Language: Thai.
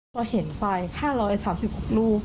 เราเห็นไฟล์๕๓๖รู